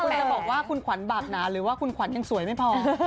คุณจะบอกว่าคุณขวัญบาปหนาหรือว่าคุณขวัญยังสวยไม่พอ